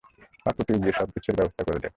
পাপ্পু, তুই গিয়ে সব কিছুর ব্যবস্থা করে দে।